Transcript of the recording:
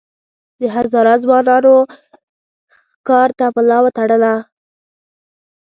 د هزاره ځوانانو ښکار ته ملا وتړله.